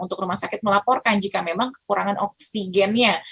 untuk rumah sakit melaporkan jika memang kekurangan oksigennya